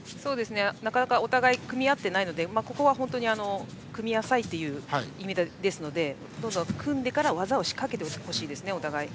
なかなかお互い組み合っていないのでここは本当に組みなさいという意味ですのでどんどん組んでから技をお互いに仕掛けてほしいです。